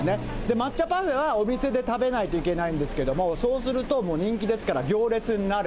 抹茶パフェは、お店で食べないといけないんですけれども、そうするともう人気ですから行列になる。